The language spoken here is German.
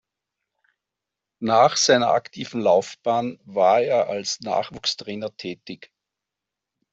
Nach seiner aktiven Laufbahn war er als Nachwuchstrainer tätig.